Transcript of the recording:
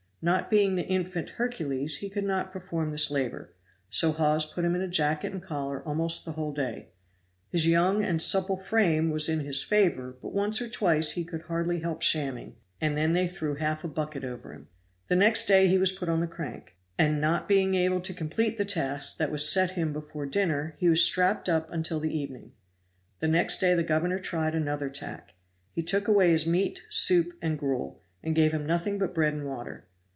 Not being the infant Hercules, he could not perform this labor; so Hawes put him in jacket and collar almost the whole day. His young and supple frame was in his favor, but once or twice he could hardly help shamming, and then they threw half a bucket over him. The next day he was put on the crank, and not being able to complete the task that was set him before dinner, he was strapped up until the evening. The next day the governor tried another tack. He took away his meat soup and gruel, and gave him nothing but bread and water.